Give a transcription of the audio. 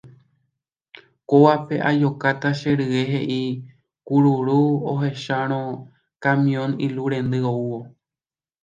Kóvape ajokáta che rye he'i kururu ohechárõ kamiõ ilu rendy oúvo